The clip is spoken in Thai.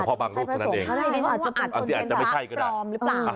เฉพาะบางลูกคนนั้นเองไม่รู้สึกว่าอาจจะเป็นคนเดียนแบบปลอมหรือเปล่า